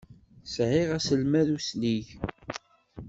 Sɛiɣ aselmad uslig.